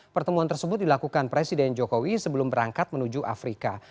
pertemuan tersebut dilakukan presiden jokowi sebelum berangkat menuju afrika